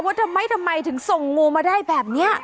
ว่าทำไมทำไมถึงส่งงูมาได้แบบนี้